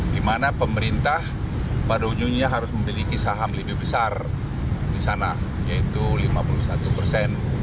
di mana pemerintah pada ujungnya harus memiliki saham lebih besar di sana yaitu lima puluh satu persen